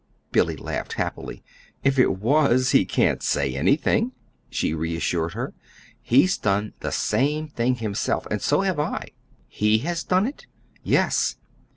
Billy laughed happily. "If it was, he can't say anything," she reassured her. "He's done the same thing himself and so have I." "HE has done it!" "Yes.